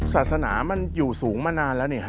ศาสนามันอยู่สูงมานานแล้ว